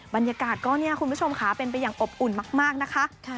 บรรยากาศก็เนี่ยคุณผู้ชมค่ะเป็นไปอย่างอบอุ่นมากนะคะ